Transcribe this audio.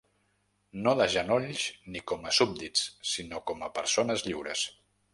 No de genolls ni com a súbdits, sinó com a persones lliures.